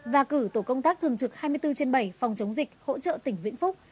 và cử tổ công tác thường trực hai mươi bốn trên bảy phòng chống dịch hỗ trợ tỉnh vĩnh phúc